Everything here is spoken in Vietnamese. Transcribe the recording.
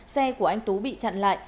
xe của anh tú bị chặn lại